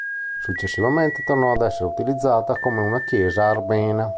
Successivamente tornò ad essere utilizzata come una chiesa armena.